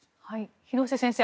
廣瀬先生